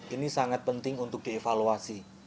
ini sangat penting untuk dievaluasi